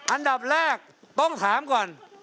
อันดับแรกต้องถามก่อน